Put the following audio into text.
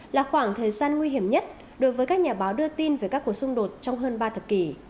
là khoảng thời gian nguy hiểm nhất đối với các nhà báo đưa tin về các cuộc xung đột trong hơn ba thập kỷ